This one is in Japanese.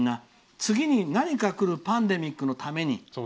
次に何かくるパンデミックのために。